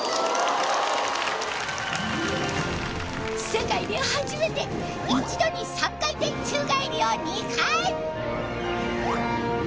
世界で初めて一度に３回転宙返りを２回！